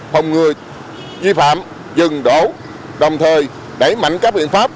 phòng ngừa vi phạm dừng đổ đồng thời đẩy mạnh các biện pháp